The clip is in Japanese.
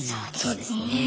そうですね。